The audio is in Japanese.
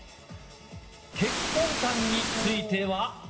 結婚観については。